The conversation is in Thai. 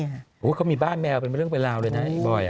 เขามีบ้านแมวเป็นเรื่องเป็นราวเลยนะอีกบ่อย